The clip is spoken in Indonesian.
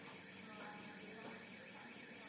terjawab ya mbak ya